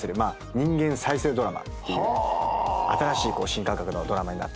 人間再生ドラマっていう新しい新感覚のドラマになっていると思います。